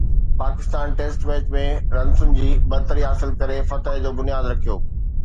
Pakistan test match ۾ رنسن جي برتري حاصل ڪري فتح جو بنياد رکيو